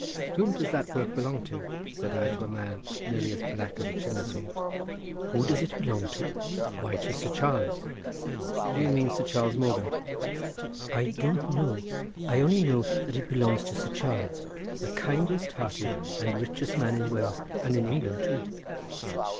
"Whom does that work belong to?" said I to a man nearly as black as a chimney sweep. "Who does it belong to? Why, to Sir Charles." "Do you mean Sir Charles Morgan?" "I don't know. I only know that it belongs to Sir Charles, the kindest heart and richest man in Wales and in England too."